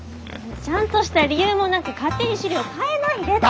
ちゃんとした理由もなく勝手に飼料変えないでって。